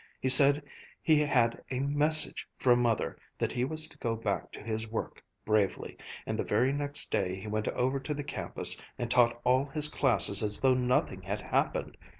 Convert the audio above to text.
He said he had 'a message' from Mother that he was to go back to his work bravely; and the very next day he went over to the campus, and taught all his classes as though nothing had happened.